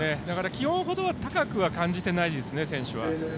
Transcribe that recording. だから気温ほどは高く感じてないですね、選手は。